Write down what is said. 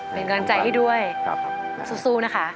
เป็นกำลังใจให้ด้วยสู้นะคะ